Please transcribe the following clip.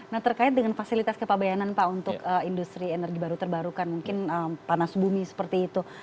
nah terkait dengan fasilitas kepabayanan pak untuk industri energi baru terbarukan mungkin panas bumi seperti itu